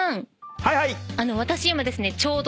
はいはい！